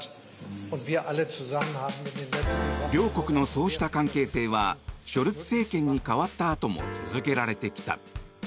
両国のそうした関係性はショルツ政権に代わったあとも続けられてきた。